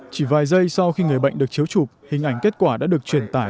chỉ vài giây sau khi người bệnh được chiếu chụp hình ảnh kết quả đã được truyền tải